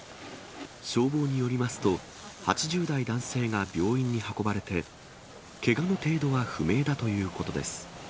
消防によりますと、８０代男性が病院に運ばれて、けがの程度は不明だということです。